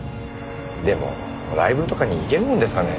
でもライブとかに行けるもんですかね？